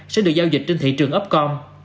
sẽ được giao dịch trên thị trường upcom